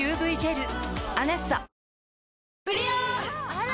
あら！